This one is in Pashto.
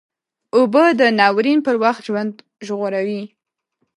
اوبه د ناورین پر وخت ژوند ژغوري